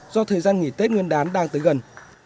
do thời gian nghỉ tết nguyên đán đang tới gần